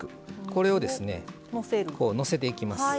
これをのせていきます。